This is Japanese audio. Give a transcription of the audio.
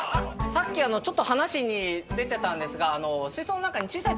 さっきちょっと話に出てたんですが。